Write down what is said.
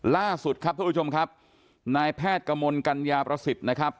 ล่าสุดครับทุกผู้ชมครับนายแพทย์กระมวลกัญญาประสิทธิ์นะครับ